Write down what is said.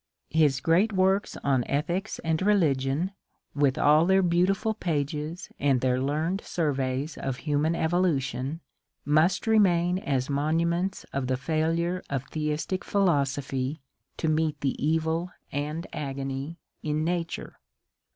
His great works on ethics and religion, with all their beautiful pages and their learned surveys of hiunan evolution, must remain as monuments of the failure of the istic philosophy to meet the evil and agony in nature.